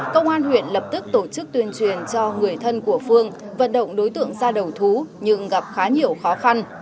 công an huyện lập tức tổ chức tuyên truyền cho người thân của phương vận động đối tượng ra đầu thú nhưng gặp khá nhiều khó khăn